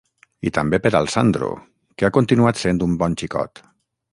I també per al Sandro, que ha continuat sent un bon xicot...